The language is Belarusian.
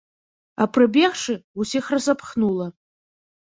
А прыбегшы, усіх разапхнула.